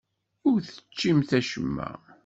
Ur teččimt acemma.